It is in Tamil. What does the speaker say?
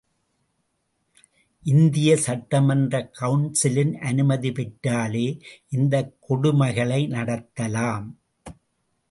இந்திய சட்டமன்றக் கவுன்சிலின் அனுமதி பெற்றாலே இந்தக் கொடுமைகளை நடத்தலாம்.